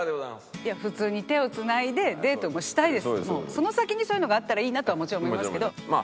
その先にそういうのがあったらいいなとはもちろん思いますけど。